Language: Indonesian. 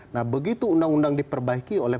nah begitu undang undang diperbaiki oleh